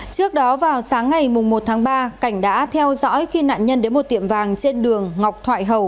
trước đó vào sáng ngày một tháng ba cảnh đã theo dõi khi nạn nhân đến một tiệm vàng trên đường ngọc thoại hầu